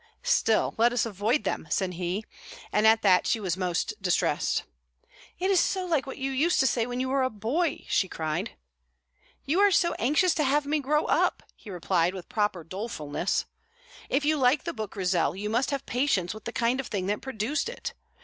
"Still let us avoid them," said he; and at that she was most distressed. "It is so like what you used to say when you were a boy!" she cried. "You are so anxious to have me grow up," he replied, with proper dolefulness. "If you like the book, Grizel, you must have patience with the kind of thing that produced it.